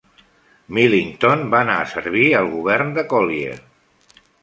Millington va anar a servir al Govern de Collier.